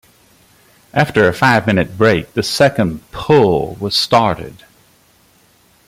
After a five-minute break, the second pull was started.